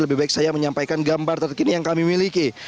lebih baik saya menyampaikan gambar terkini yang kami miliki